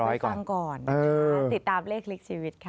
เดี๋ยวไปฟังก่อนติดตามเลขคลิกชีวิตค่ะ